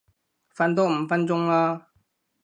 瞓多五分鐘啦